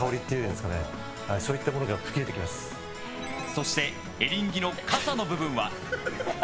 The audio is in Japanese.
そしてエリンギのかさの部分は。